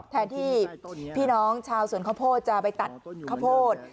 แทนที่พี่น้องชาวสวนข้าวโพดจะไปตัดข้าวโพด